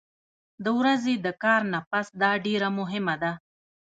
د ورځې د کار نه پس دا ډېره مهمه ده